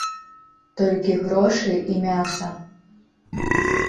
Толькі грошы і мяса.